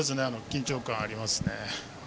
緊張感ありますね。